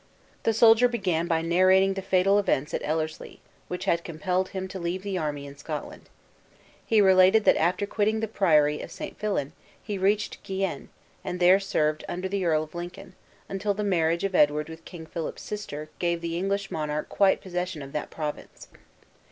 The soldier began by narrating the fatal events at Ellerslie, which had compelled him to leave the army in Scotland. He related that after quitting the priory of St. Fillan, he reached Guienne, and there served under the Earl of Lincoln, until the marriage of Edward with King Philip's sister gave the English monarch quiet possession of that province.